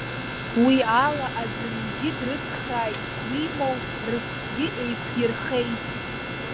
Уи ала аӡәырҩгьы дрыцхрааит, уимоу, рыԥсгьы еиқәирхеит.